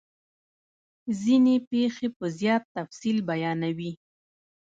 ځیني پیښې په زیات تفصیل بیانوي.